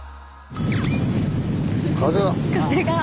風が。